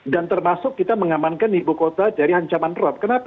dan termasuk kita mengamankan ibu kota dari ancaman rop kenapa